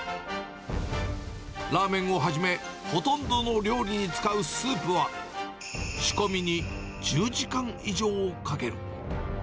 ラーメンをはじめ、ほとんどの料理に使うスープは、仕込みに１０時間以上かける。